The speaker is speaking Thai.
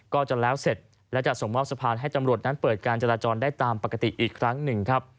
ก็จะแล้วเสร็จและจะส่งมอบสะพานให้ตำรวจนั้นเปิดการจราจรได้ตามปกติอีกครั้งหนึ่งครับ